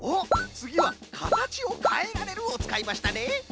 つぎは「かたちをかえらえる」をつかいましたね！